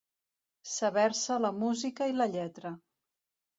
Saber-se la música i la lletra.